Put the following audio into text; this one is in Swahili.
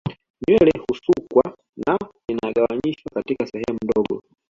Nywele husukwa na inagawanyishwa katika sehemu ndogo